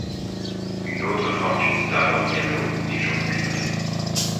Une autre 'Fortune's Double Yellow' est jaune cuivré.